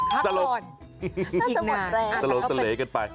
พักหลอนน่าจะหมดแรง